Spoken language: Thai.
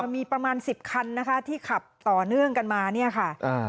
มีประมาณ๑๐คันนะคะที่ขับต่อเนื่องกันมาเนี่ยค่ะ